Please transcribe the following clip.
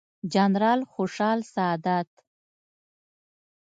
جنرال خوشحال سادات،